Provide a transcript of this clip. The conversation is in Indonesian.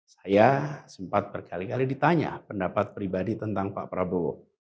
saya sempat berkali kali ditanya pendapat pribadi tentang pak prabowo